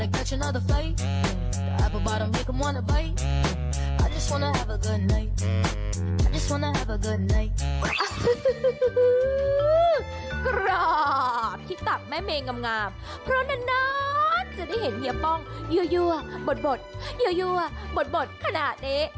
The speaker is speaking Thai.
กรอบที่ตัดแม่เมงงามเพราะนั้นน้อยจะได้เห็นเฮียป้องเยื่อบดขนาดนี้